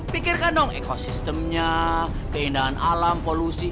pikirkan dong ekosistemnya keindahan alam polusi